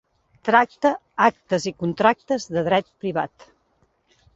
Tracta actes i contractes de dret privat.